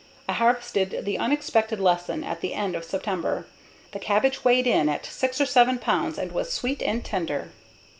I harvested the unexpected lesson at the end of September. The cabbage weighed in at 6 or 7 pounds and was sweet and tender.